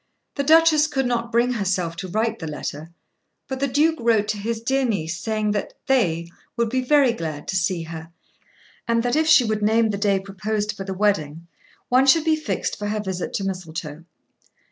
The Duchess could not bring herself to write the letter, but the Duke wrote to his dear niece saying that "they" would be very glad to see her, and that if she would name the day proposed for the wedding, one should be fixed for her visit to Mistletoe.